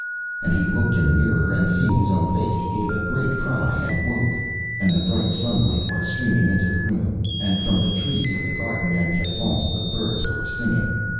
And he looked in the mirror, and, seeing his own face, he gave a great cry and woke, and the bright sunlight was streaming into the room, and from the trees of the garden and pleasaunce the birds were singing.